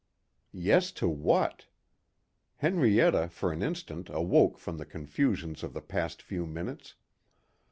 Yes to what? Henrietta for an instant awoke from the confusions of the past few minutes.